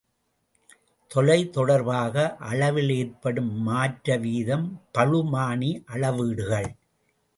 தொலைத் தொடர்பாக அளவில் ஏற்படும் மாற்றவீதம் பளுமானி அளவீடுகள்.